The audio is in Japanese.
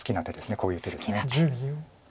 こういう手です。